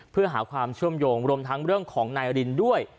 เพื่อหาความเชื่อมโยงรวมทั้งเรื่องของนายรินด้วย